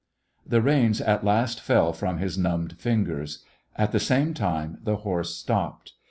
The reins at last fell from his numbed fingers. At the same time the horse stopped.